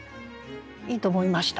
いいと思いました。